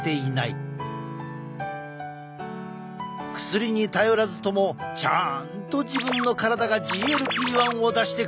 薬に頼らずともちゃんと自分の体がＧＬＰ−１を出してくれるぞ。